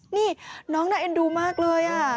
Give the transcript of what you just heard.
นี่น้องน่าเอ็นดูมากเลย